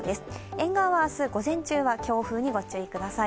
沿岸は明日、午前中は強風にご注意ください。